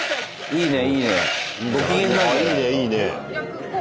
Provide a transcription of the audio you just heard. いいね！